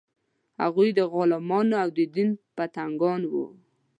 هغوی د غلمانو او د دین پتنګان وو.